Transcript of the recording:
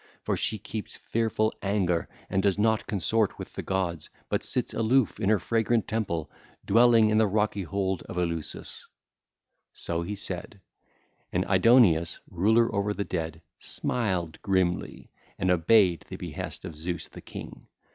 For she keeps fearful anger and does not consort with the gods, but sits aloof in her fragrant temple, dwelling in the rocky hold of Eleusis.' (ll. 357 359) So he said. And Aidoneus, ruler over the dead, smiled grimly and obeyed the behest of Zeus the king.